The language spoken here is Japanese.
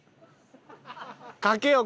かけよう